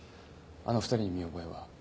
あの２人に見覚えは？